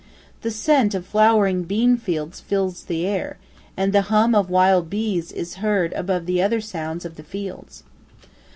The scent of flowering bean fields fills the air, and the hum of wild bees is heard above the other sounds of the fields.